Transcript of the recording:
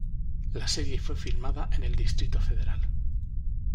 La serie fue filmada en el Distrito Federal.